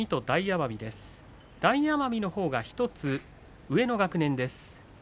大奄美のほうが１つ上の学年です。